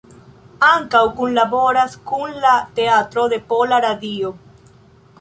Ankaŭ kunlaboras kun la Teatro de Pola Radio.